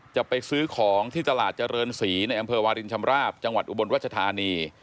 จะไปซื้อของที่ตลาดเจริญศรีในอำเภอวารินชำราบจังหวัดอุบลรัชธานี